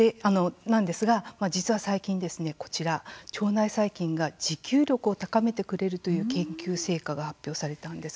実は最近ですね、腸内細菌が持久力を高めてくれるという研究成果が発表されたんです。